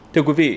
thưa quý vị